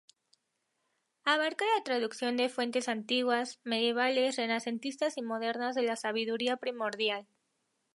Abarca la traducción de fuentes antiguas, medievales, renacentistas y modernas de la sabiduría primordial.